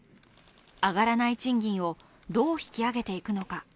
上がらない賃金をどう引き上げていくのか。